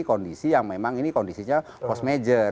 kondisi yang memang ini kondisinya post major